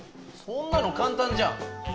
そんなの簡単じゃん！